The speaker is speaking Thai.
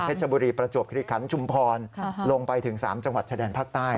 ชบุรีประจวบคิริขันชุมพรลงไปถึง๓จังหวัดชายแดนภาคใต้